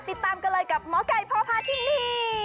ติดตามกันเลยกับหมอไก่พ่อพาทินี